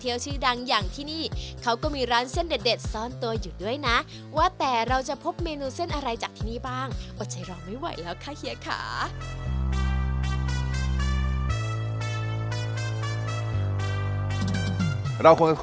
อยู่ที่น้ำซอสผัดไทยครับ